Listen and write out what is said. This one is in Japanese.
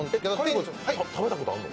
賀屋君、食べたことあるの？